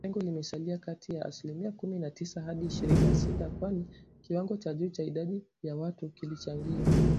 Tangu wakati huo, pengo limesalia kati ya asilimia kumi na tisa hadi ishirini na sita, kwani kiwango cha juu cha idadi ya watu kilichangia